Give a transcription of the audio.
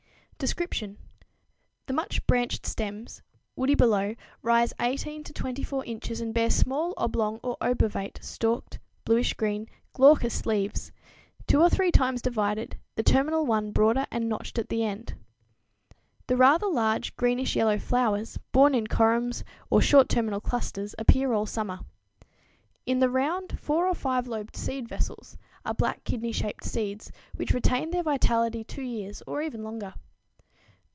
Description. The much branched stems, woody below, rise 18 to 24 inches and bear small oblong or obovate, stalked, bluish green glaucous leaves, two or three times divided, the terminal one broader and notched at the end. The rather large, greenish yellow flowers, borne in corymbs or short terminal clusters, appear all summer. In the round, four or five lobed seed vessels are black kidney shaped seeds, which retain their vitality two years or even longer.